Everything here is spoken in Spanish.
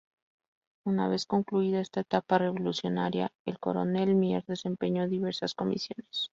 Una vez concluida esta etapa revolucionaria, el coronel Mier desempeñó diversas comisiones.